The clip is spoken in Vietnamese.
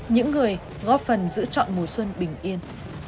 những người góp phần giữ chọn mùa xuân bình yên